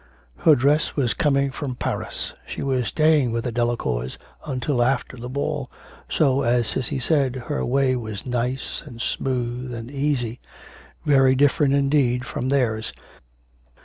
Her dress was coming from Paris; she was staying with the Delacours until after the ball, so, as Cissy said, her way was nice and smooth and easy very different indeed from theirs.